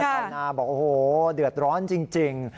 ชาวนาบอกโอ้โหเดือดร้อนจริง